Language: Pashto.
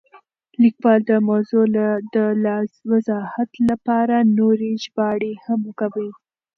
لیکوال د موضوع د لا وضاحت لپاره نورې ژباړې هم کوي.